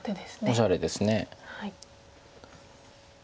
おしゃれです。